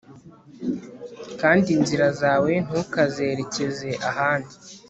kandi inzira zawe ntukazerekeze ahandi